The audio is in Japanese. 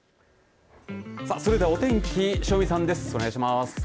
それでは、お天気塩見さんです、お願いします。